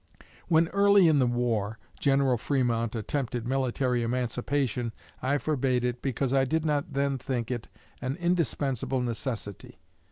When, early in the war, General Frémont attempted military emancipation, I forbade it, because I did not then think it an indispensable necessity.